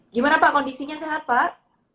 gimana pak kondisinya sehat pak